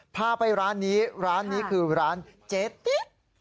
พาไปร้านนี้ร้านนี้คือร้านเจ๊ติ๊ด